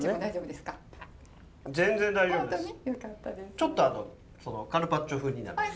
ちょっとあのそのカルパッチョ風になる。